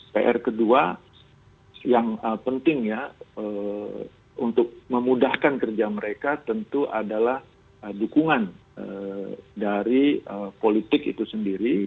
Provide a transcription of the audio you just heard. pr kedua yang penting ya untuk memudahkan kerja mereka tentu adalah dukungan dari politik itu sendiri